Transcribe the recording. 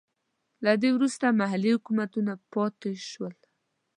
له دې وروسته محلي حکومتونه پاتې شول.